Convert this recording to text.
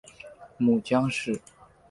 母江氏。